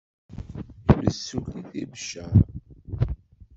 Yessulli deg Beccaṛ.